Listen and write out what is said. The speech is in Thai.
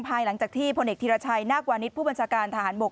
ภายหลังจากที่พลเอกธิรชัยนาควานิสผู้บัญชาการทหารบก